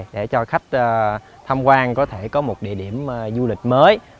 để cho khách tham quan có thể có một địa điểm du lịch mới